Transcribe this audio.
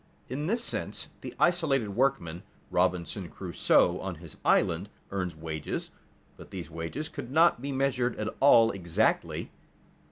_ In this sense the isolated workman, Robinson Crusoe on his island, earns wages, but these wages could not be measured at all exactly.